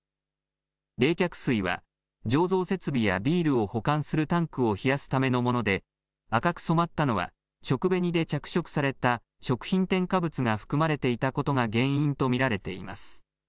冷却水は、醸造設備やビールを保管するタンクを冷やすためのもので、赤く染まったのは、食紅で着色された食品添加物が含まれていたことが原因と見られています。